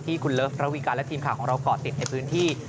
ที่คุณเลิฟระวีการและทีมข่าวของเราก่อติดในพื้นที่